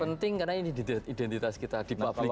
penting karena ini identitas kita di publik